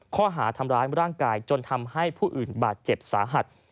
ข้อหาทำร้ายร่างกายจนทำให้ผู้อื่นบาดเจ็บสาหัส